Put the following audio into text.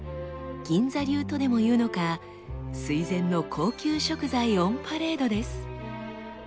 銀座流とでもいうのか垂涎の高級食材オンパレードです。